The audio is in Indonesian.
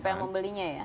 siapa yang membelinya ya